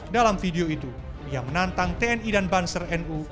dalam video itu ia menantang tni dan banser nu